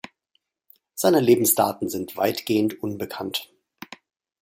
Seine Lebensdaten sind weitgehend unbekannt.